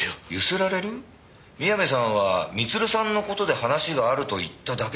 宮部さんは光留さんの事で話があると言っただけですよね。